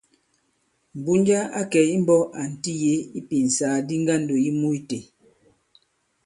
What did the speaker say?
Mbunja a kɛ̀ imbɔ̄k ànti yě ipìnsàgàdi ŋgandò yi mû itē.